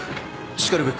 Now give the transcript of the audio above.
しかるべく。